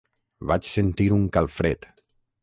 Vaig sentir un calfred.